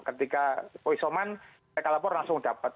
ketika isoman mereka lapor langsung dapat